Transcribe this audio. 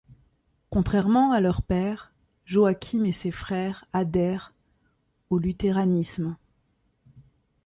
Contrairement à leur père, Joachim et ses frères adhèrent au Luthéranisme.